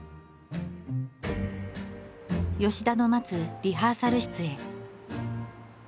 吉田の待つリハーサル室へ。